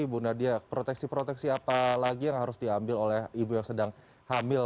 ibu nadia proteksi proteksi apa lagi yang harus diambil oleh ibu yang sedang hamil